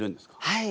はい。